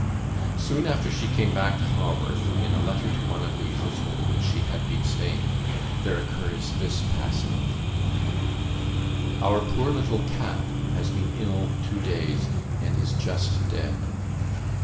Soon after she came back to Haworth, in a letter to one of the household in which she had been staying, there occurs this passage: "Our poor little cat has been ill two days, and is just dead.